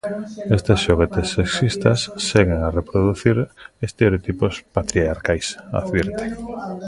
Estes xoguetes sexistas seguen a reproducir estereotipos patriarcais, advirten.